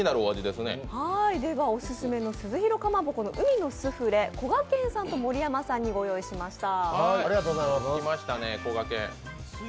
オススメの鈴廣かまぼこの海のすふれこがけんさんと盛山さんにご用意いたしました。